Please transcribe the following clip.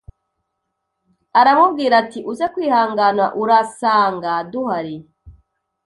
Aramubwira ati uze kwihangana urasanga tudahari